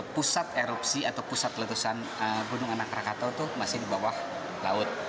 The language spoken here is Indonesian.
pusat erupsi atau pusat letusan gunung anak rakatau itu masih di bawah laut